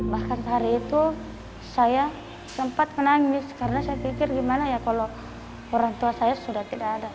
bahkan sehari itu saya sempat menangis karena saya pikir gimana ya kalau orang tua saya sudah tidak ada